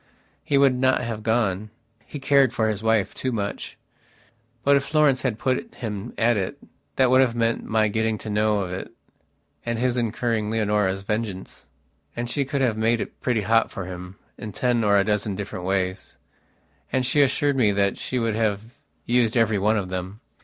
He would not have gone; he cared for his wife too much. But, if Florence had put him at it, that would have meant my getting to know of it, and his incurring Leonora's vengeance. And she could have made it pretty hot for him in ten or a dozen different ways. And she assured me that she would have used every one of them.